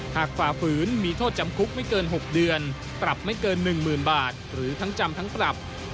ฝ่าฝืนมีโทษจำคุกไม่เกิน๖เดือนปรับไม่เกิน๑๐๐๐บาทหรือทั้งจำทั้งปรับ